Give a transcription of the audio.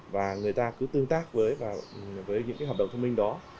và người ta cứ tương tác với những cái hợp đồng thông minh đó